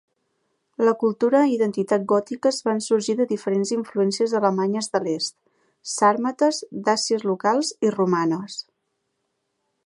La cultura i identitat gòtiques van sorgir de diferents influències alemanyes de l'est, sàrmates, dàcies locals i romanes.